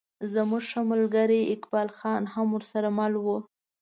زموږ ښه ملګری اقبال خان هم ورسره مل و.